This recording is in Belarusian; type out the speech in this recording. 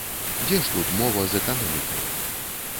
Дзе ж тут мова з эканомікай?